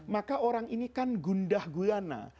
maka orang ini kan gundah gulana